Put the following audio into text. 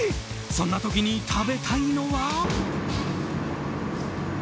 そんな時に食べたいのは。